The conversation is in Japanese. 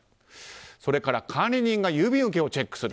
それから管理人が郵便受けをチェックする。